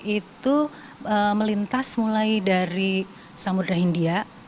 itu melintas mulai dari samudera india